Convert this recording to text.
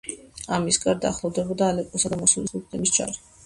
ამის გარდა ახლოვდებოდა ალეპოს და მოსულის სულთნების ჯარი.